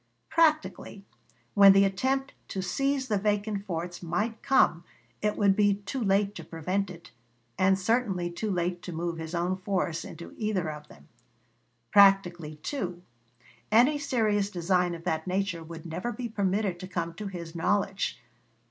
Practically, when the attempt to seize the vacant forts might come it would be too late to prevent it, and certainly too late to move his own force into either of them. Practically, too, any serious design of that nature would never be permitted to come to his knowledge.